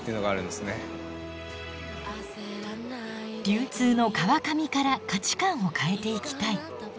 流通の川上から価値観を変えていきたい。